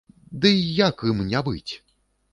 Дый як ім не быць?